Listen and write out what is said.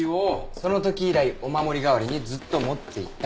その時以来お守り代わりにずっと持っていた。